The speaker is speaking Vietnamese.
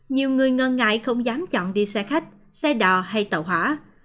nhiều người ngại không dám chọn đi xe khách xe đò hay tàu hỏa